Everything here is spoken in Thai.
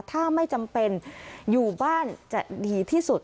ถ้าไม่จำเป็นอยู่บ้านจะดีที่สุด